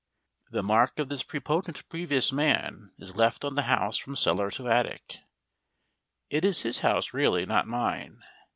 The mark of this prepotent previous man is left on the house from cellar to attic. It is his house really, not mine.